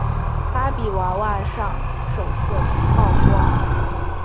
芭比娃娃上首次曝光。